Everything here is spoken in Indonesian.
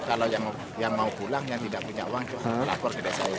kalau yang mau pulang yang tidak punya uang lapor ke desa